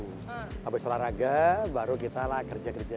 habis olahraga baru kita kerja kerja